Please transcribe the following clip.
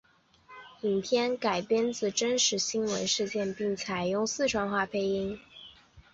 影片改编自真实新闻事件并采用四川话配音。